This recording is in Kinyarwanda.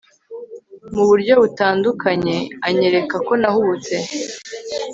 mu buryo butandukanye anyereka ko nahubutse